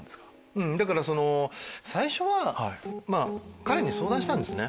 うんだからその最初はまぁ彼に相談したんですね。